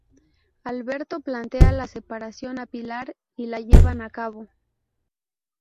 Alberto plantea la separación a Pilar y la llevan a cabo.